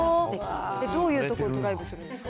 どういう所ドライブするんですか？